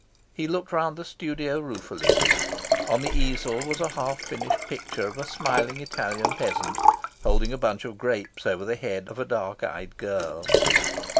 He looked round the studio ruefully. On the easel was a half finished picture of a smiling Italian peasant, holding a bunch of grapes over the head of a dark eyed girl.